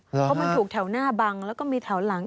เพราะมันถูกแถวหน้าบังแล้วก็มีแถวหลัง